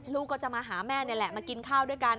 ลูกก็จะมาหาแม่นี่แหละมากินข้าวด้วยกัน